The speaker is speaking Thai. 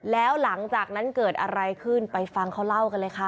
แล้วหลังจากนั้นเกิดอะไรขึ้นไปฟังเขาเล่ากันเลยค่ะ